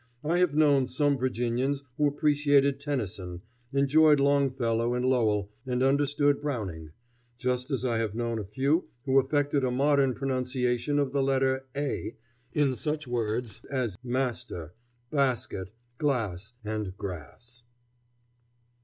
I have known some Virginians who appreciated Tennyson, enjoyed Longfellow and Lowell, and understood Browning; just as I have known a few who affected a modern pronunciation of the letter "a" in such words as "master," "basket," "glass," and "grass."